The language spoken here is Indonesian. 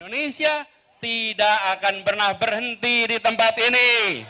indonesia tidak akan pernah berhenti di tempat ini